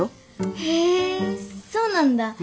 へえそうなんだ。